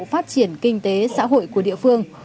phát triển kinh tế xã hội của địa phương